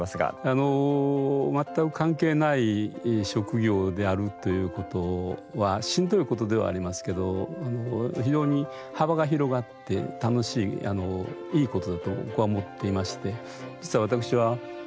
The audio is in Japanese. あの全く関係ない職業であるということはしんどいことではありますけど非常に幅が広がって楽しいいいことだと僕は思っていまして。